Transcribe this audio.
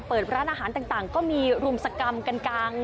เปิดร้านอาหารต่างก็มีรุมสกรรมกันกลาง